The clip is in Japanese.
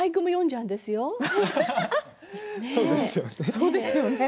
そうなんですよね。